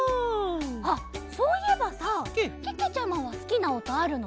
あっそういえばさけけちゃまはすきなおとあるの？